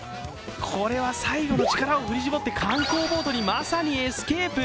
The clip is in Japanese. これは最後の力を振り絞って観光ボートにまさにエスケープ。